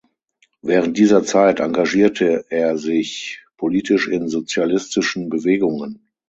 Während dieser Zeit engagierte er sich politisch in sozialistischen Bewegungen.